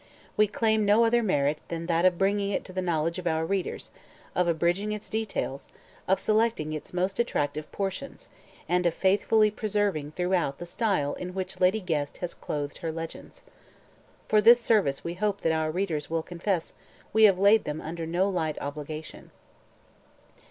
We claim no other merit than that of bringing it to the knowledge of our readers, of abridging its details, of selecting its most attractive portions, and of faithfully preserving throughout the style in which Lady Guest has clothed her legends. For this service we hope that our readers will confess we have laid them under no light obligation.